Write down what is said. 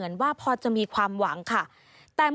สวัสดีค่ะสวัสดีค่ะ